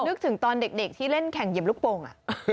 นึกถึงตอนเด็กที่เล่นแข่งเหยียบลูกโป่ง